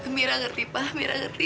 mira ngerti pak mira ngerti